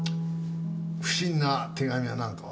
不審な手紙やなんかは？